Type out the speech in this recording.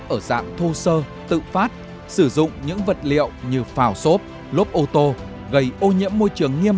ở dạng thô sơ tự phát sử dụng những vật liệu như phào xốp lốp ô tô gây ô nhiễm môi trường nghiêm